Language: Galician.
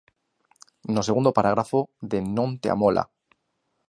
No segundo parágrafo de Non te amola!